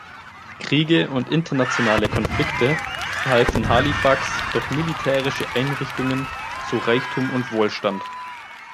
Kriege und internationale Konflikte verhalfen Halifax durch militärische Einrichtungen zu Reichtum und Wohlstand.